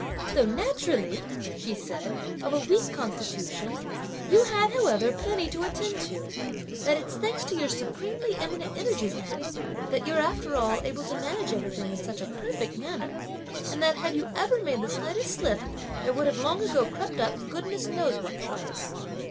'Though naturally,' she said, 'of a weak constitution, you had, however, plenty to attend to! that it's thanks to your supremely eminent energies, aunt, that you're, after all, able to manage everything in such a perfect manner; and that had you ever made the slightest slip, there would have long ago crept up, goodness knows, what troubles!'"